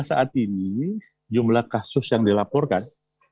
saat ini jumlah kasus yang dilaporkan